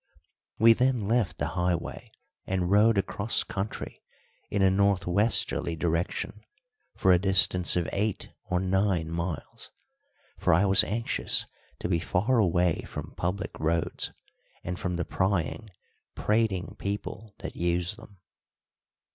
We then left the highway and rode across country in a north westerly direction for a distance of eight or nine miles, for I was anxious to be far away from public roads and from the prying, prating people that use them.